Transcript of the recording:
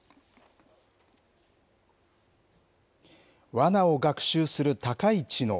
わなを学習する高い知能。